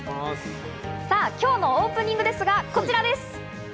今日のオープニングですが、こちらです。